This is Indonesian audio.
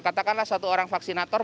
katakanlah satu orang vaksinator